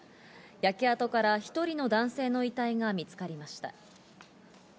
焼け跡から１人の男性の遺体が見つかりました。